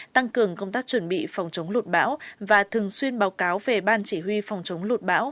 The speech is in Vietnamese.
tăng cường công tác chuẩn bị phòng chống lụt bão và thường xuyên báo cáo về ban chỉ huy phòng chống lụt bão